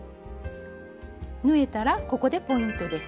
縫えたらここでポイントです。